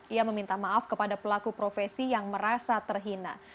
ia meminta maaf kepada pelaku profesi yang merasa terhina